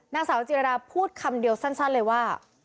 นางสาวจิรดาพูดคำเดียวสั้นเลยว่า